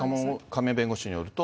亀井弁護士によると。